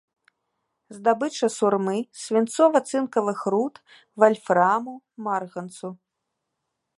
Здабыча сурмы, свінцова-цынкавых руд, вальфраму, марганцу.